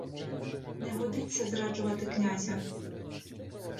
Не годиться зраджувати князя.